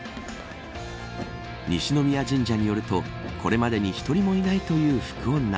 西宮神社によるとこれまでに１人もいないという福女。